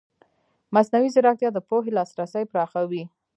مصنوعي ځیرکتیا د پوهې لاسرسی پراخوي.